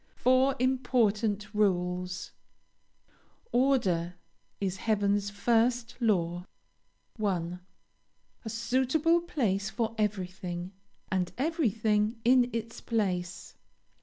FOUR IMPORTANT RULES. "Order is heaven's first law." 1. A suitable place for everything, and everything in its place.